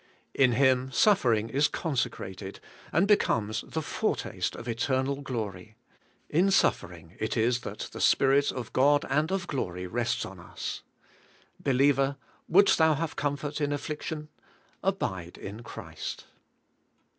Bi Him suffering is consecrated, and becomes the foretaste of eternal glory; in suffering it is that the Spirit of God and of glory rests on us. Believer! wouldst thou have com fort in affliction? — Abide in Christ.